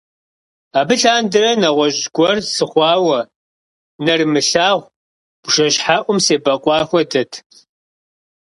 Абы лъандэрэ нэгъуэщӀ гуэр сыхъуауэ, нэрымылъагъу бжэщхьэӀум себэкъуа хуэдэт.